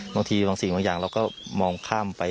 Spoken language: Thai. บางทีบางสิ่งบางอย่างเราก็มองข้ามไป